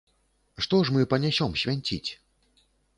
Што ж мы панясём свянціць?